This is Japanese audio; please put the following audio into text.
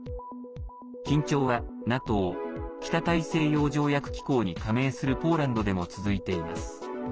緊張はＮＡＴＯ＝北大西洋条約機構に加盟するポーランドでも続いています。